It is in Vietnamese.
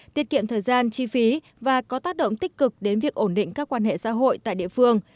tiết kiệm thời gian chi phí và có tác động tích cực đến việc ổn định các quan hệ xã hội tại địa phương